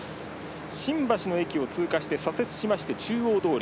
新橋の駅を通過して左折しまして中央通り。